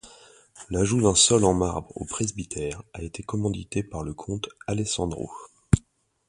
L'ajout d'un sol en marbre au presbytère a été commandité par le comte Alessandro.